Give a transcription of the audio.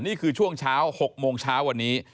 นี่คือช่วงเช้า๖โมงเช้าวันนี้